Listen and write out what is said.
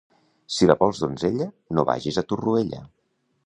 Si la vols donzella, no vagis a Torroella.